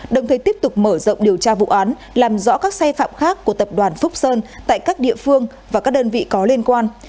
đồng thời tiếp tục mở rộng điều tra vụ án làm rõ các sai phạm khác của tập đoàn phúc sơn tại các địa phương và các đơn vị có liên quan